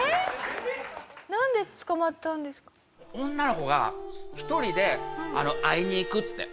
女の子が１人で会いに行くっつって。